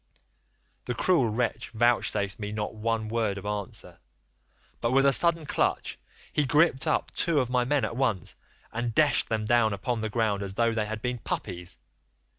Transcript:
"The cruel wretch vouchsafed me not one word of answer, but with a sudden clutch he gripped up two of my men at once and dashed them down upon the ground as though they had been puppies.